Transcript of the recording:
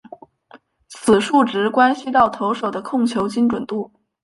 此数值关系到投手的控球精准度。